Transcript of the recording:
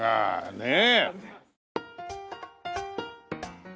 ねえ。